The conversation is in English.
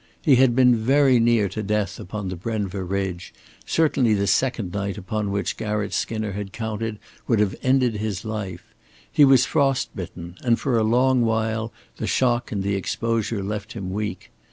He had been very near to death upon the Brenva ridge, certainly the second night upon which Garratt Skinner had counted would have ended his life; he was frostbitten; and for a long while the shock and the exposure left him weak.